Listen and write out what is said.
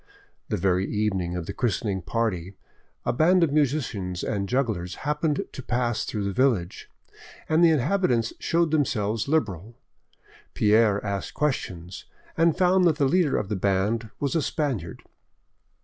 The very evening of the christening party, a band of musicians and jugglers happened to pass through the village, and the inhabitants showed themselves liberal. Pierre asked questions, and found that the leader of the band was a Spaniard.